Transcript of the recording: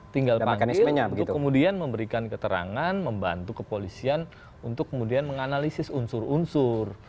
tinggal panggil untuk kemudian memberikan keterangan membantu kepolisian untuk kemudian menganalisis unsur unsur